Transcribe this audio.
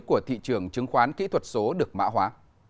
của thị trường chứng khoán kỹ thuật số được mã hóa